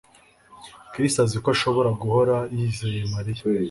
Chris azi ko ashobora guhora yizeye Mariya